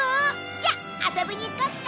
じゃあ遊びに行こっか！